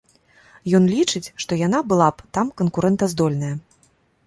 Ён лічыць, што яна была б там канкурэнтаздольная.